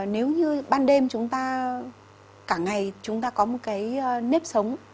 nếu như ban đêm chúng ta cả ngày chúng ta có một cái nếp sống